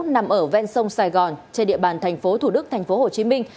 trên sông sài gòn trên địa bàn thành phố thủ đức thành phố hồ chí minh